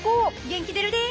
元気出るで！